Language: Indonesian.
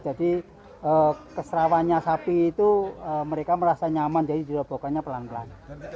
jadi keserawannya sapi itu mereka merasa nyaman jadi dirobohkannya pelan pelan